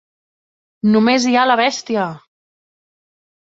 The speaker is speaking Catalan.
"Només hi ha la bèstia!".